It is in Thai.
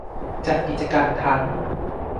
จัดกิจกรรมทั้ง